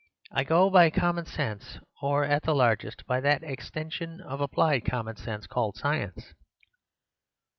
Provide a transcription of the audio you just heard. I go by common sense, or, at the largest, by that extension of applied common sense called science.